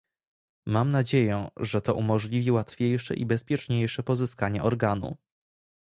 Mam nadzieję, że to umożliwi łatwiejsze i bezpieczniejsze pozyskanie organu